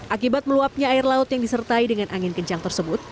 akibat meluapnya air laut yang disertai dengan angin kencang tersebut